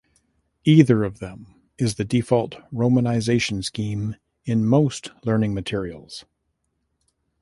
Either of them is the default romanization scheme in most learning materials.